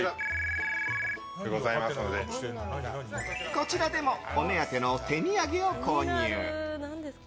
こちらでもお目当ての手土産を購入。